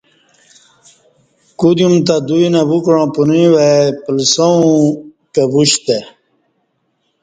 کدیوم تں دوئی نہ ووکعاں پنوی وای پلسئوں کہ وشتہ